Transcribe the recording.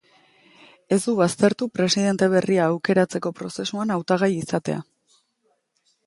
Ez du baztertu presidente berria aukeratzeko prozesuan hautagai izatea.